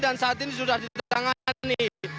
dan saat ini sudah ditangani